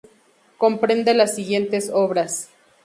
Comprende las siguientes obras.